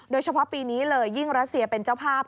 โดยเฉพาะปีนี้เลยยิ่งรัสเซียเป็นเจ้าภาพ